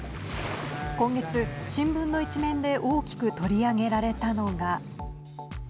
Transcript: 今月、新聞の一面で大きく取り上げられたのが。